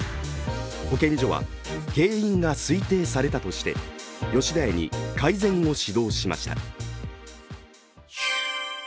保健所は、原因が推定されたとして吉田屋に改善を指導しました。